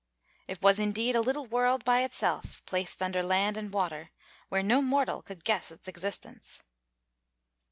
It was, indeed, a little world by itself, placed under land and water, where no mortal could guess its existence.